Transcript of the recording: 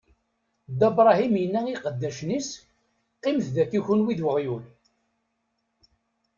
Dda Bṛahim inna i iqeddacen-is: Qqimet dagi kenwi d uɣyul.